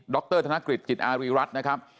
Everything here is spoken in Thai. รธนกฤษจิตอารีรัฐนะครับ